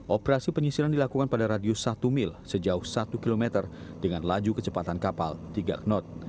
operasi penyisiran dilakukan pada radius satu mil sejauh satu km dengan laju kecepatan kapal tiga knot